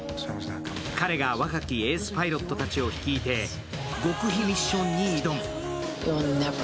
彼が若きエースパイロットたちを率いて極秘ミッションに挑む。